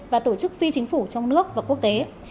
và tổ chức phi chính phủ trong nước và quốc tế